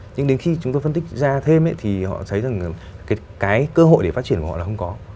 nhưng đến khi chúng tôi phân tích ra thêm thì họ thấy rằng cái cơ hội để phát triển của họ là không có